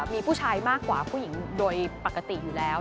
มีผู้ชายมากกว่าผู้หญิงโดยปกติอยู่แล้ว